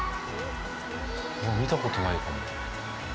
見たことないかも。